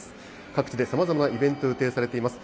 各地でさまざまなイベントが予定されています。